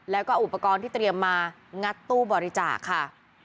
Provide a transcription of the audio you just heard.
แล้วก็อุปกรณ์ที่เตรียมมางัดตู้บริจาคค่ะ